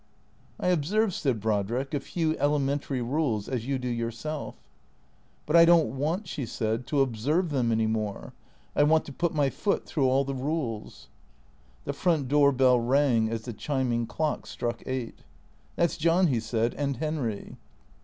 " I observe," said Brodrick, " a few elementary rules, as you do yourself." " But I don't want," she said, " to observe them any more. I want to put my foot through all the rules." The front door bell rang as the chiming clock struck eight. " That 's John," he said, " and Henry."